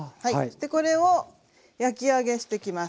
これを焼き揚げしてきます。